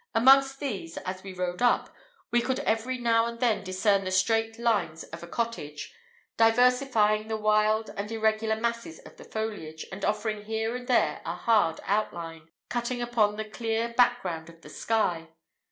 Amongst these, as we rode up, we could every now and then discern the straight lines of a cottage, diversifying the wild and irregular masses of the foliage, and offering here and there a hard outline, cutting upon the clear back ground of the sky.